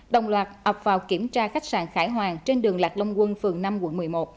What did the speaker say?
đồng loạt ập vào kiểm tra khách sạn khải hoàng trên đường lạc long quân phường năm quận một mươi một